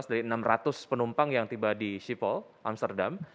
dari enam ratus penumpang yang tiba di sipol amsterdam